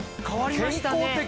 変わりましたね。